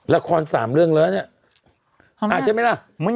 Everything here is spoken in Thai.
ละครสามเรื่องแล้วเนี่ย